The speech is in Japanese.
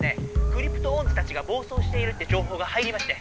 クリプトオンズたちが暴走しているってじょうほうが入りまして。